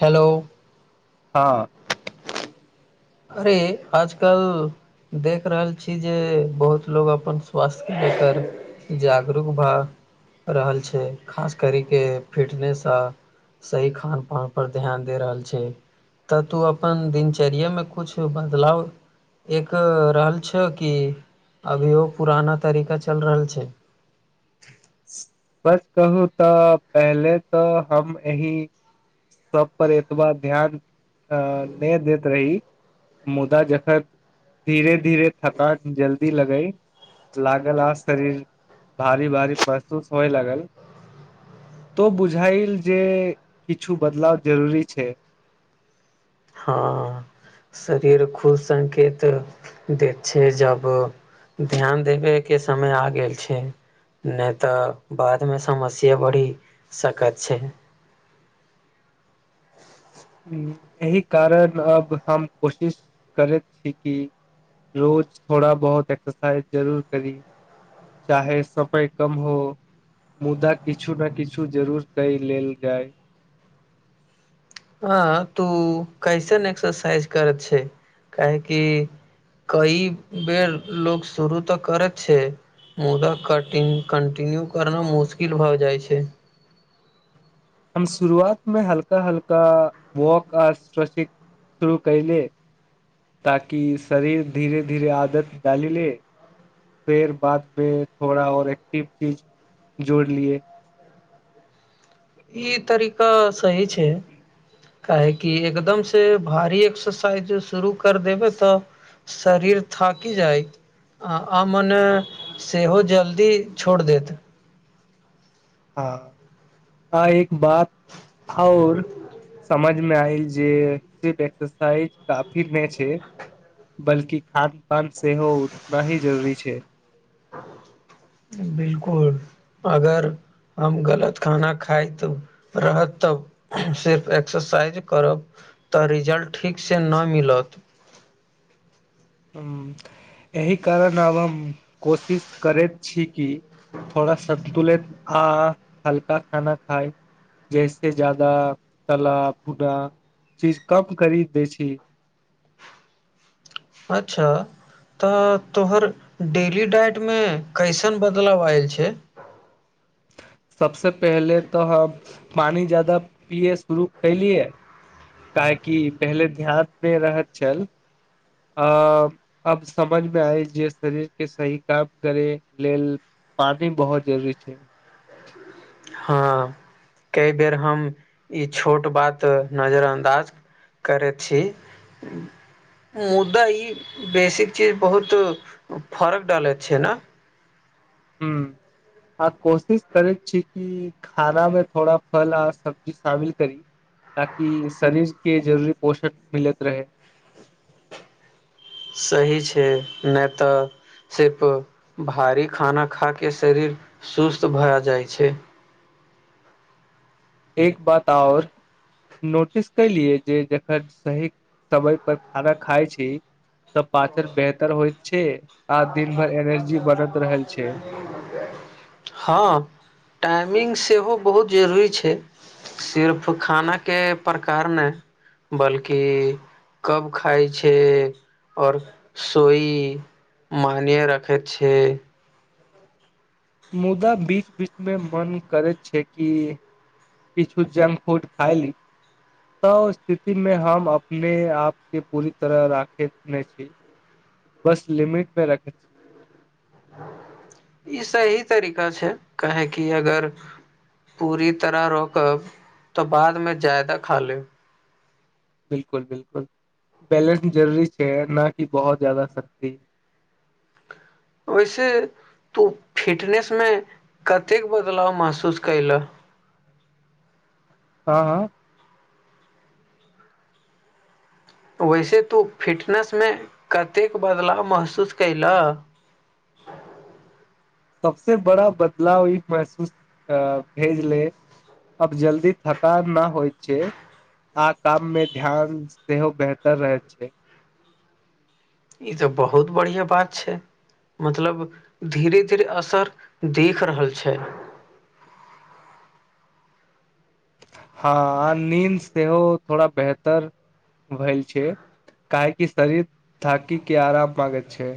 Hello. ह अरे आज कल देख रहल छी जे बहुत लोग अपन स्वास्थ्य के लेकार जागरूक भऽ रहल छै खास करि कऽ फिटनेस अ सही खान पान पर ध्यान दे रहल छै तऽ तू अपन दिनचर्या मे कुछ बदला एक रहल छै कि अभियो पुराना तरीका चल रहल छै बस कहू तऽ पहले तऽ हम एही सभ पर एतबा ध्यान तऽ नहि दैत रही मुदा जखन धीरे धीरे थकान जल्दी लगई लागल आ शरीर भारी भारी महसूस होए लागल तऽ बुझाइल जे किछु बदलाव जरूरी छै ह शरीर खुद संकेत दे छै जब ध्यान देबे के समय आ गेल छै। नहि तऽ बाद मे समस्या बढ़ि सकत छै हू एहि कारण अब हम कोशिश करैत छी कि रोज थोड़ा बहुत एक्सर साइज जरूर करी चाहे समय कम हो। मुदा किछु नै किछु जरूर कोई लेलऽ जाय ह तू कैसन एक्सरसाइज करैत छै काहे कि कई बेर लोक शुरू तऽ करत छै। मुदा कटिन कंटिन्यू करना मुश्किल भऽ जाई छै हम शुरुआत मे हल्का हल्का वॉक अस्ट्र शुरू कहिएले ताकि शरीर धीरे धीरे आदत डाली ले फेर बाद मे थोड़ा और एक्टिव चीज जोड़ लियए इ तरीका सही छै काहेकि एकदम से भारी एक्सरसाइज शुरू कर देबे त शरीर थाकि जाइ आ, आ मने सेहो जल्दी छोड़ देत ह आ एक बात आउर समझ मे आइल जे सिर एक्सरसाइज काफी नहि छैय बल्कि खा नै पान सेहो उतना ही जरूरी छै बिल्कुल अगर। हम गलत खाना खाइत रहत त सिर्फ एक्सरसाइज करब तऽ रिजल्ट ठीक से नै मिलत हुँ एहि कारण आब हम कोशिश करैत छी की थोड़ा सन्तुलित आ हल्का खाना खाय जैसे ज्यादा तला-भूना चीज कम करी दै छी। अच्छा तऽ तोहर डेली डाइट मे कैसन बदलाव आयल छै सब से पहले तऽ हम पानी ज्यदा पियल शुरू कैलिये काहेकि पहिले ध्यान नै रहत छल अ अब समझ मे आयल जे शरीर के सही काम करे लेल पानी बहुत जरूरी छै हँ कई बेर हम ई छोट बात नजरअन्दाज करै छी मुदा ई बेसिक चीज बहुत फर्क डालैत छै न हूं आ कोशिश करैत छी की खाना मे थोड़ा फल आ सब्जी शामिल करी ताकि शरीर के जरूरी पोषण मिलैत रहे सही छै ने तऽ सिर्फ भारी खाना खा के शरीर सुस्त भए जाइ छै एक बात आओर नोटिस कैलिये जे जखेन सही समय पर खाना खाय छी तऽ पाचर बेहतर होइत छै [inaudible] आ दिन भर एनर्जी बनत रहल छै हँ टाईमिंग सेहो बहुत जरूरी छै सिर्फ खाना के प्रकार नय बल्कि कब खाइ छे ओर सोई मानिय राखेत छै मुदा बीच बीच मे मन करैत छै की किछ जंक फुड खायली त स्थिति मे हम अपने आप के पूरी तरह राखे ने छी बस लिमिट मे रख ई सही तरीका छे काहे की अगर पूरी तरह रोकब त बादमे जायदा खा लेब बिल्कुल बिल्कुल बेलेंस जरूरी छे न कि बहुत ज्यादा शक्ति वेसे तू फिटनेस मे कतेक बदलाव महसूस केला हँ हँ वेसे तू फिटनेस मे कतेक बदलाव महसूस केयला सबसे बड़ा बदलाव ई महसूस भेजले अब जल्दी थकान न होइ छे आ काम मे ध्यान सेहो बेहतर रहैत छै ई त बहुत बढ़ियाँ बात छै मतलब धीरे धीरे असर देख रहल छै हाँ नींद सेहो थोड़ा बेहतर भेल छै काहेकि शरीर थकी के आराम मागेत छे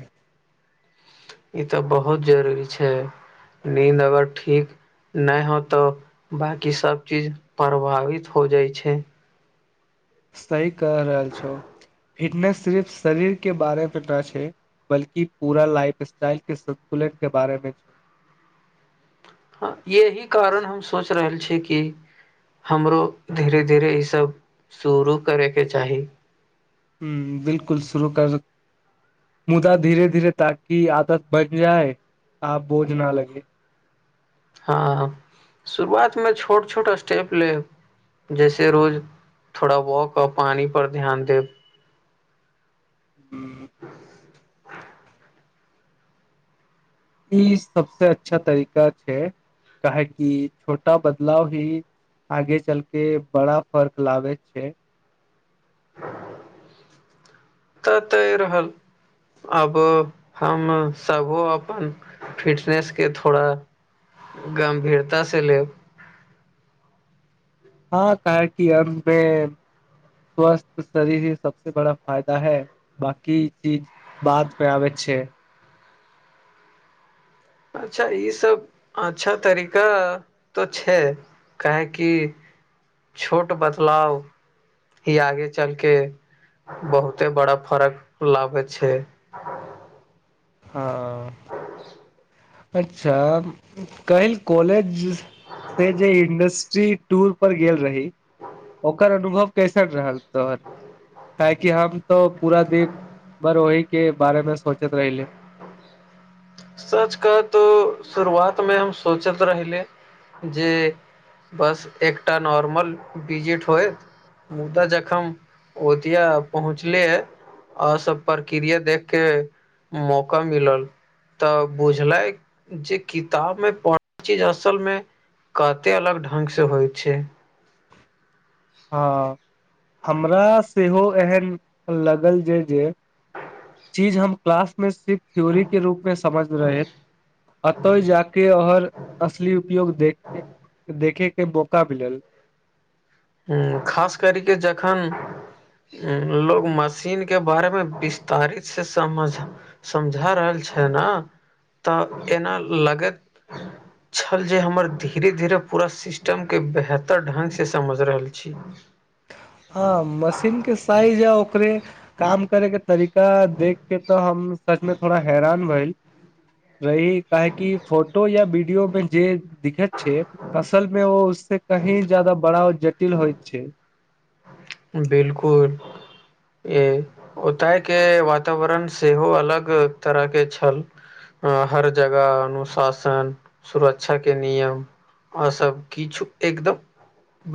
ई तऽ बहुत जरूरी छे निन्द अगर ठीक नय हो तो बाँकी सब चीज प्रभावित हो जाइ छे सही कह रहल छो फिटनेस सिर्फ शरीर के बारेमे न छै बल्कि पूरा लाइफ स्टाइलके संतुलनके बारेमे छै। एहि कारण हम सोच रहल छी कि- हमरो धीरे-धीरे ई सब शुरू करैके चाही। हूॅं, बिल्कुल शुरू कर- मुदा, धीरे-धीरे ताकि आदत बनि जाए आ बोझ ना लगे हॅं, शुरुआतमे छोट-छोट स्टेप लेब जैसे रोज थोड़ा वॉक आओर पानी पर ध्यान देब हूँ [unintelligible] ई सबसॅं अच्छा तरीका छै काहे कि छोटा बदलाव ही आगे चलके बड़ा फर्क लागै छै ततय रहल, आब हम सभो अपन फिटनेसके थोड़ा- गम्भीरतासे लेब हँ, तॅं [unintelligible] स्वस्थ शरीर ही सबसे बड़ा फायदा है बांकी चीज बाद पे आबे छै अच्छा ई सब अच्छा तरीका तॅं छै काहे की छोट बदलाव- ई आगे चलके बहुते बड़ा फरक लाबै छै हँ। [unintelligible] अच्छा काॅलेज से जे इन- जी टूर पर गेल रही, ओकर अनुभव कैसन रहल तोहर? काहे कि हम तो पूरा दिन बर ओहिके बारेमे सोचैत रहीले सच कह तो शुरुआतमे हम सोचैत रहले जे बस एकटा नॉर्मल बीजिट होइ मुदा जखन ओदिया पहुँचलियै आर सब प्रक्रिया देखके मौका मिलल तॅं बुझलै जे किताबमे पढ़ल चीज असलमे कते अलग ढंगसे होइ छै? हँ, हमरा सेहो एहन लागल जे जे चीज हम क्लासमे सिर्फ थ्योरीके रूपमे समझ रहेैत अतय जाके आऔर असली उपयोग देखै के देखेकेॅं मौका मिलल हूॅं, खासकर के जखन लोग मशीनके बारेमे- विस्तारितसे समझ सम- -झा रहल छै ने तॅं एना लगैत छल जे हमर धीरे-धीरे पूरा सिस्टमके बेहतर ढंगसे समझ -झी रहल छी। हँ, मशीनके साइज आ ओकरे काम करैके तरीका देखि के तॅं हम सचमे थोड़ा हैरान भेइल रही, काहे कि फोटो या वीडियोमे जे दिखैत छै असलमे ओ ओ उससे कहीं ज्यादा बड़ा जटिल होइत छै। बिल्कुल। ई ओतयके वातावरण सेहो अलग तरहके छल। ह हर जगह अनुशासन सुरक्षा के नियम आ सभ किछु एकदम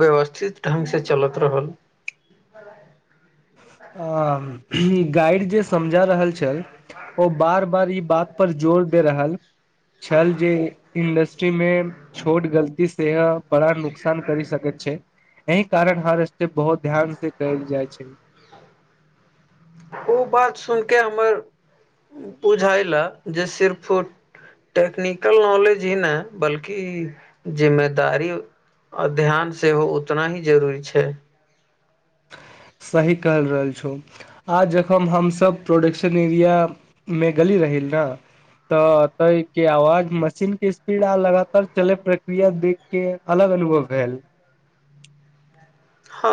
व्यवस्थित ढंग से चलत रहल। [unintelligible] आ गाइड जे समझा रहल छल। ओ बार बार ई बात पर जोर दे रहल। छल जे इंडस्ट्री मे छोट गलती से बड़ा नुक नुकसान करी सकैत छै एहि कारण हर स्टेप बहुत ध्यान से कल जाई छै ओ बात सुईन के हमर बुझायल जे सिर्फ टेक्निकल नॉलेज ही नै बल्कि जिम्मेदारी आ ध्यान सेहो उतना ही जरूरी छै। सही कहल रहल छौ आज जखन हमसभ प्रोडक्शन एरिया मे गेली रही न तऽ के आवाज मशीन के स्पीड आ लगातार चले प्रक्रिया देख के अलग अनुभव भेल ह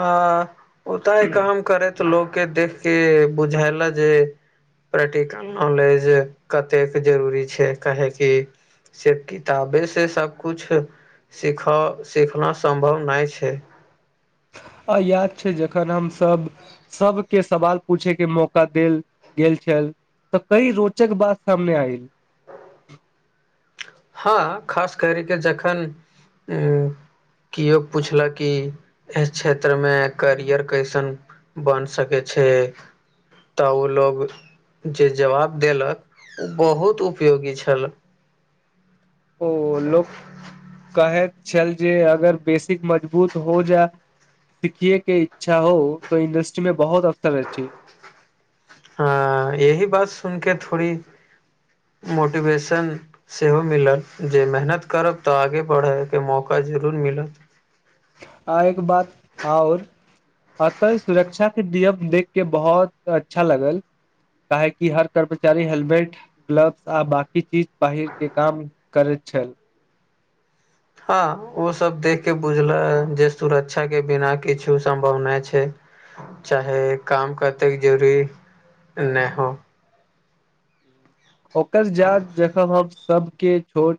आ ओता हैं काम करे तऽ लो के देख के बुझायला ज प्रैक्टिक नॉलेज कतेक जरूरी छै काहे कि सिर्फ किताबे से सभ कुछ सिख सिखना सम्भव नहि छै आ याद छै जखन हमसभ के सवाल पूछे के मौका देल गेल छल तऽ काई रोचक बात सामने आयल ह खास कर के जखन हू केयो पुछलक कऽ एहि क्षेत्र मे करियर कैसन बन सके छै। तऽ ओय लोग जे जवाब देलक ओ बहुत उपयोगी छाल ओ लोक कहैत छल जे अगर बेसिक मजबूत हो जाएत सिखियए के इच्छा हो तो इंडस्ट्री मे बहुत अवसर रह छै हा यही बात सुन के थोड़ी मोटिवेशन सेहो मिलत जे मेहनत करब तऽ आगे बढे के मौका जरूर मिलत आ एक बात ओर अतऽ सुरक्षा के नियम देख के बहुत अच्छा लागल काहे कि हर कर्मचारी हेलमेट ग्लव्स आ बकि चीज पहिर के काम करैत छल हँ ओ सभ देख के बुझले जे सुरक्षा के बिना किछु सम्भवना छै चाहे काम करते जरूरी नहि ह ओकर जात जखब हम सभके छोट